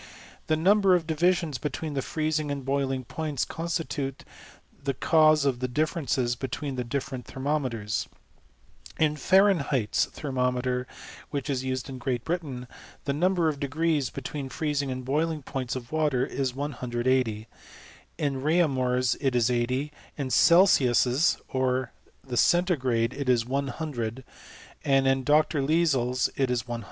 The number of divisions between the freez ing and boiling points constitute the cause of the differ ISBces between different thermometers. In Fahrenheit's diermometer, which is used in Great Britain, the num ber of degrees, between the freezing and boiling points of water, is 1 80 ; in Reaumurs it is 80 ; in Celsius's, or ibe centigrade, it is 100 ; and in De Lisle's it is 150.